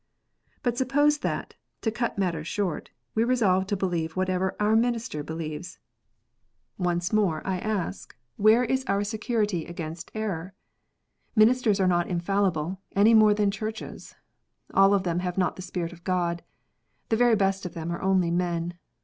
But suppose that, to cut matters short, we resolve to believe whatever our minister believes. Once more I ask, Where is PEIVATE JUDGMENT. 49 our security against error? Ministers are not infallible, any more than Churches. All of them have not the Spirit of God. The very best of them are only men.